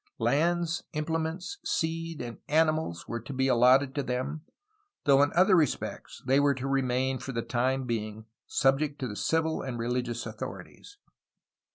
Lands, implements, seed, and animals were to be allotted to them, though in other respects they were to remain for the time being subject to the civil and religious authorities.